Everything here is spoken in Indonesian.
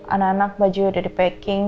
anak anak baju udah di packing